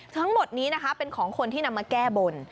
ทั้งหมดนี้นะคะเป็นของคนที่นำมาแก้บน